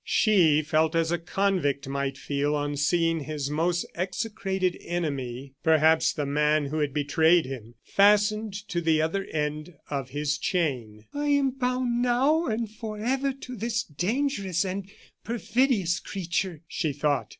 She felt as a convict might feel on seeing his most execrated enemy, perhaps the man who had betrayed him, fastened to the other end of his chain. "I am bound now and forever to this dangerous and perfidious creature," she thought.